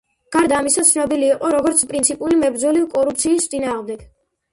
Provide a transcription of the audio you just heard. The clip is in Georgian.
გარდა ამისა ცნობილი იყო, როგორც პრინციპული მებრძოლი კორუფციის წინააღმდეგ.